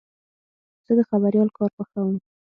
زه د خبریال کار خوښوم.